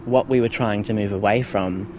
yang adalah apa yang kita coba lakukan